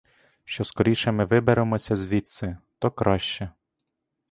Що скоріше ми виберемося звідси, то краще.